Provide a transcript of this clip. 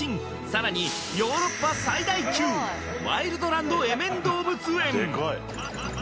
さらにヨーロッパ最大級ワイルドランド・エメン動物園